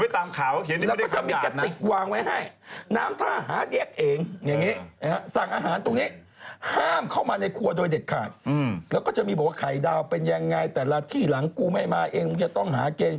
แต่ไอ้ที่หนักคือคือเมื่อกี้เนี่ยเวลาใครหิวน้ำทำยังไง